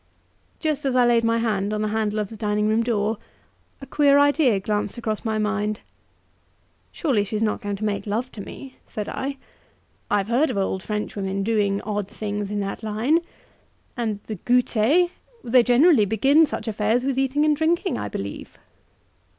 Just as I laid my hand on the handle of the dining room door, a queer idea glanced across my mind. "Surely she's not going to make love to me," said I. "I've heard of old Frenchwomen doing odd things in that line; and the gouter? They generally begin such affairs with eating and drinking, I believe."